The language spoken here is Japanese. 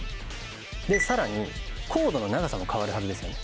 で、更にコードの長さも変わるはずですよね。